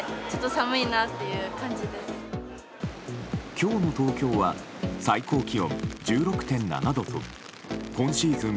今日の東京は最高気温１６．７度と今シーズン